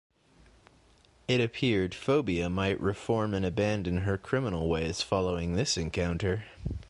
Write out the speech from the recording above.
It appeared Phobia might reform and abandon her criminal ways following this encounter.